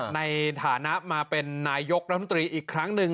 ในฐานะมาเป็นนายกรัฐมนตรีอีกครั้งหนึ่ง